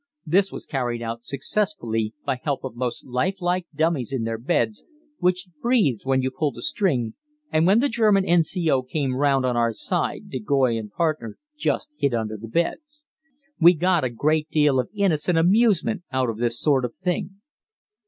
This was carried out successfully by help of most lifelike dummies in their beds, which breathed when you pulled a string, and when the German N.C.O. came round on our side de Goys and partner just hid under the beds. We got a great deal of innocent amusement out of this sort of thing.